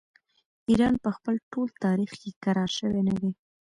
ایران په خپل ټول تاریخ کې کرار شوی نه دی.